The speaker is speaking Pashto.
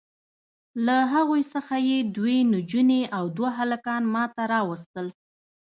له هغوی څخه یې دوې نجوني او دوه هلکان ماته راواستول.